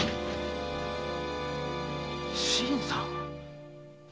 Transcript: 新さん？